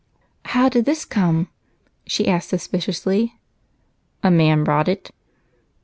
"How did this come?" she asked suspiciously. "A man brought it."